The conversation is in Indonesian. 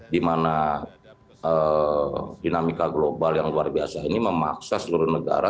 dimana dinamika global yang luar biasa ini memaksa seluruh negara